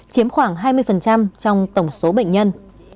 chiếm khoảng hai mươi trong tổng số bệnh nhân